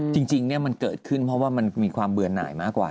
จริงมันเกิดขึ้นเพราะว่ามันมีความเบื่อหน่ายมากกว่า